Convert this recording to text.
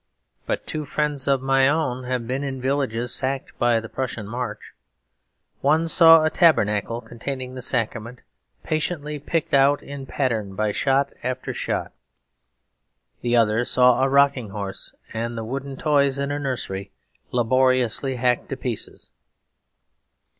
But two friends of my own have been in villages sacked by the Prussian march. One saw a tabernacle containing the Sacrament patiently picked out in pattern by shot after shot. The other saw a rocking horse and the wooden toys in a nursery laboriously hacked to pieces.